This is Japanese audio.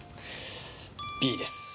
Ｂです